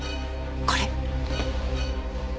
これ。